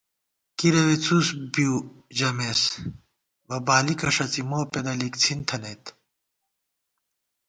کِرَوےڅُس بؤ ژمېس بہ بالِکہ ݭڅی موپېدہ لِکڅِھن تھنَئیت